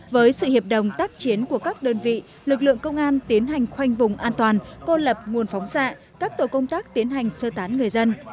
với sự hiệp đồng tác chiến của các đơn vị lực lượng công an tiến hành khoanh vùng an toàn cô lập nguồn phóng xạ các tổ công tác tiến hành sơ tán người dân